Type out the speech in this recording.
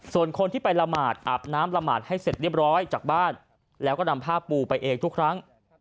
ส่วนคนที่ไปละหมาดอาบน้ำละหมาดให้เสร็จเรียบร้อยจากบ้านแล้วก็นำผ้าปูไปเองทุกครั้ง